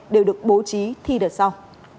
đều được bố trí thi đợt sau